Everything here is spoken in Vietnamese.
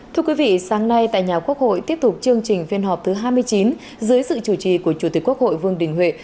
thưa quý vị sáng nay tại nhà quốc hội tiếp tục chương trình phiên họp thứ hai mươi chín dưới sự chủ trì của chủ tịch quốc hội vương đình huệ